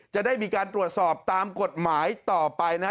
จะได้มีการตรวจสอบตามกฎหมายต่อไปนะ